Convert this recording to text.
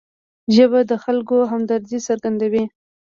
ژبه د خلکو همدردي څرګندوي